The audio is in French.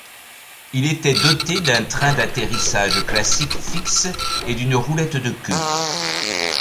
Il était doté d'un train d'atterrissage classique fixe et d'une roulette de queue.